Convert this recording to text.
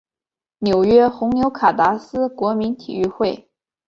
纽约红牛卡达斯国民体育会